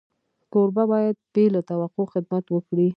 کوربه باید بې له توقع خدمت وکړي.